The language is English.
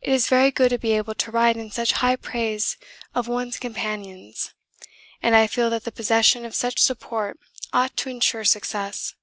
It is very good to be able to write in such high praise of one's companions, and I feel that the possession of such support ought to ensure success.